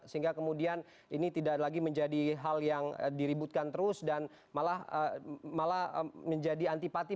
sehingga kemudian ini tidak lagi menjadi hal yang diributkan terus dan malah menjadi antipati